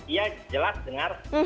iya jelas dengar